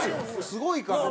すごいから。